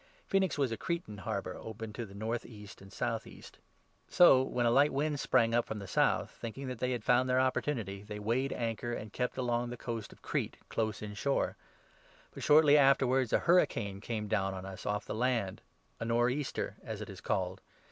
Phoenix was a Cretan harbour, open to the north east and south east. So, 13 when a light wind sprang up from the south, thinking that they had found their opportunity, they weighed anchor and kept along the coast of Crete, close in shore. But shortly 14 afterwards a hurricane came down on us off the land — a north easter, as it is called.